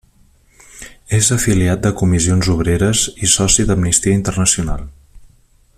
És afiliat de Comissions Obreres i soci d'Amnistia Internacional.